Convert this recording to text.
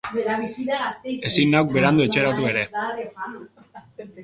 Ezin nauk berandu etxeratu ere...